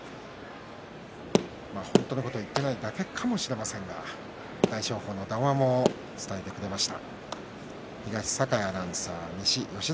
本当のことを言っていないだけかもしれませんが大翔鵬の談話も伝えてもらいました。